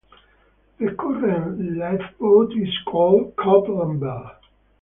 The current lifeboat is called 'Copeland Bell'.